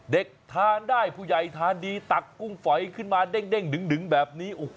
เด็กทานได้ผู้ใหญ่ทานดีตักกุ้งฝอยขึ้นมาเด้งดึงแบบนี้